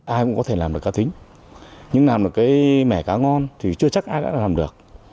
ai cũng có thể làm được cá tính nhưng làm được cái mẻ cá ngon thì chưa chắc ai đã làm được